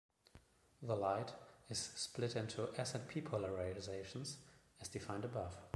The light is split into s and p polarizations as defined above.